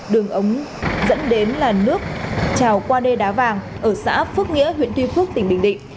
đường ống dẫn đến là nước trào qua đê đá vàng ở xã phước nghĩa huyện tuy phước tỉnh bình định